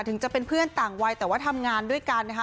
ถึงจะเป็นเพื่อนต่างวัยแต่ว่าทำงานด้วยกันนะคะ